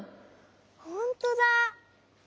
ほんとだ！